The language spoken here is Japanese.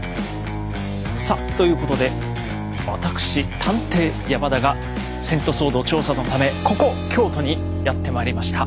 さあということでわたくし探偵・山田が遷都騒動調査のためここ京都にやってまいりました。